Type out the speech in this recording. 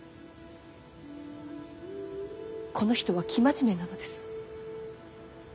この人は生真面目なのです。